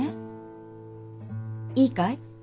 いいかい？